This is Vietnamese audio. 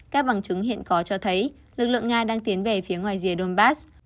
các bằng chứng hiện có cho thấy lực lượng nga đang tiến về phía ngoài rìa donbass